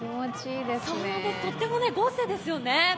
とっても豪勢ですよね。